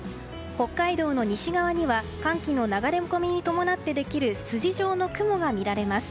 北海道の西側には寒気の流れ込みに伴ってできる筋状の雲が見られます。